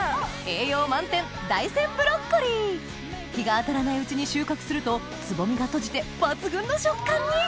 栄養満点大山ブロッコリー日が当たらないうちに収穫するとつぼみが閉じて抜群の食感に！